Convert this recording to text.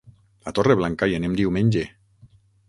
A Torreblanca hi anem diumenge.